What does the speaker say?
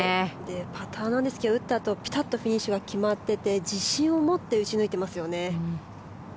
パターなんですが打ったあとピタッとフィニッシュが決まっていて自信を持って打ち抜いてますよね。